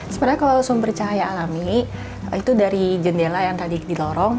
sebenarnya kalau sumber cahaya alami itu dari jendela yang tadi di lorong